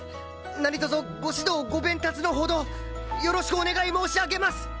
何とぞご指導ご鞭撻のほどよろしくお願い申し上げます！